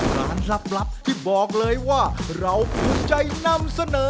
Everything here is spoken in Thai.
ร้านลับที่บอกเลยว่าเราคุณใจนำเสนอ